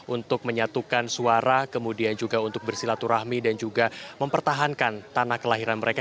untuk menyatukan suara kemudian juga untuk bersilaturahmi dan juga mempertahankan tanah kelahiran mereka